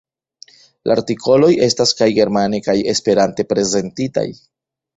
La artikoloj estas kaj germane kaj Esperante prezentitaj.